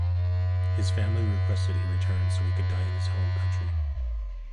His family requested he return so he could die in his home country.